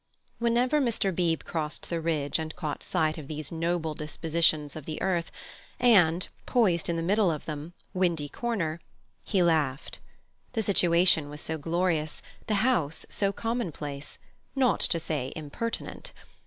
Whenever Mr. Beebe crossed the ridge and caught sight of these noble dispositions of the earth, and, poised in the middle of them, Windy Corner,—he laughed. The situation was so glorious, the house so commonplace, not to say impertinent.